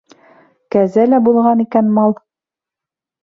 Кәзә лә булған икән мал!..